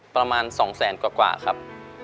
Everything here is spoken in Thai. ประมาณ๒๐๐๐๐๐บาทกว่าครับ